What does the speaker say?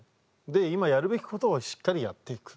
で今やるべきことをしっかりやっていく。